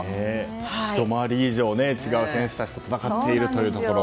ひと回り以上違う選手たちと戦っているというところ。